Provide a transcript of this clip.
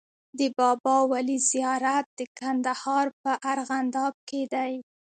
د بابا ولي زيارت د کندهار په ارغنداب کی دی